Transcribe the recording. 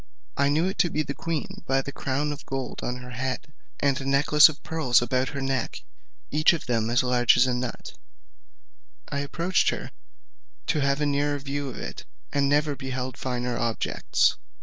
I knew it to be the queen, by the crown of gold on her head, and a necklace of pearls about her neck, each of them as large as a nut; I approached her to have a nearer view of it, and never beheld a finer objets.